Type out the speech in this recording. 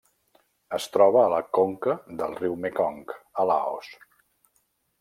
Es troba a la conca del riu Mekong a Laos.